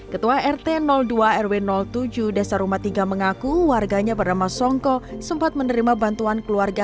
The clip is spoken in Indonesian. ketua rt dua rw tujuh desa rumah tiga mengaku warganya bernama songko sempat menerima bantuan keluarga